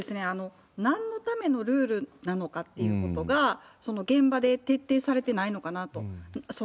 なんのためのルールなのかっていうことが、現場で徹底されてないのかなと。